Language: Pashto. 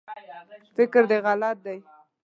فکر دی غلط دی